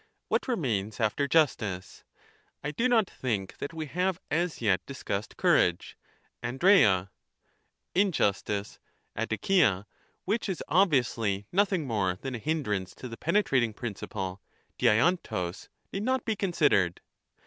What remains after justice? I do not think that we have as yet discussed cour age {avdpela), — injustice {ddiKia), which is obviously nothing more than a hindrance to the penetrating principle [diaiovrog), need not be considered.